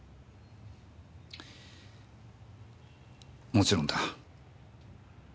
もちろんだ。